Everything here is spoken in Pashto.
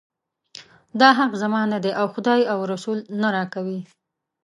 دا حق زما نه دی او خدای او رسول یې نه راکوي.